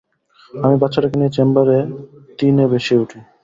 আমি বাচ্চাটাকে নিয়ে চেম্বার তিনে ভেসে উঠি।